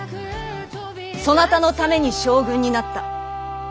そなたのために将軍になった。